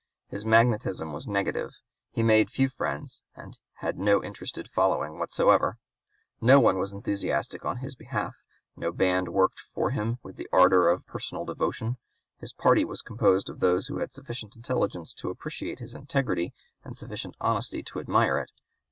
His magnetism was negative. He made few friends; and had no interested following whatsoever. No one was enthusiastic on his behalf; no band worked for him with the ardor of personal devotion. His party was composed of those who had sufficient intelligence to appreciate his integrity and sufficient honesty to admire it.